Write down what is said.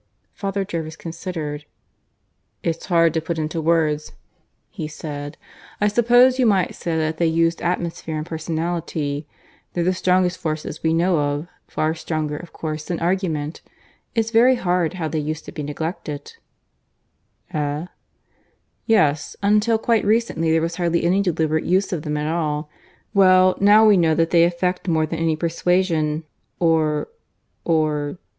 Father Jervis considered. "It's hard to put it into words," he said. "I suppose you might say that they used atmosphere and personality. They're the strongest forces we know of far stronger, of course, than argument. It's very odd how they used to be neglected " "Eh?" "Yes; until quite recently there was hardly any deliberate use of them at all. Well, now we know that they effect more than any persuasion ... or ... or